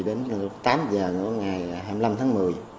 đến trong tám giờ nửa ngày hai mươi năm tháng một mươi một mươi năm hai mươi bốn